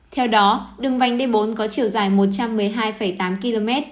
theo đó đường vành d bốn có chiều dài một trăm một mươi hai tám km